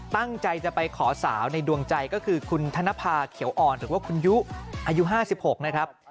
ตั้งใจจะไปขอสาวในดวงใจก็คือคุณธนภาเขียวอ่อนหรือว่าคุณยุอายุ๕๖นะครับ